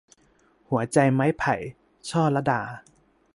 หัวใจไม้ไผ่ - ช่อลัดา